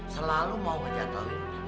selalu mau wajah tauin